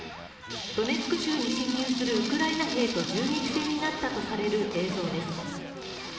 ドネツク州に侵入するウクライナ兵と銃撃戦になったとされる映像です。